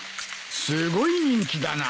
すごい人気だな。